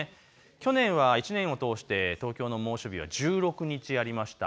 去年は１年を通して東京の猛暑日は１６日ありました。